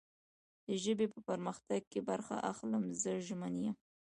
د ژبې په پرمختګ کې برخه اخلم. زه ژمن یم